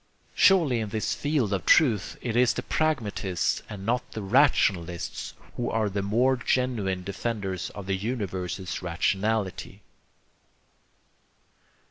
] Surely in this field of truth it is the pragmatists and not the rationalists who are the more genuine defenders of the universe's rationality.